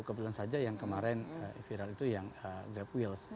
kebetulan saja yang kemarin viral itu yang grab wheels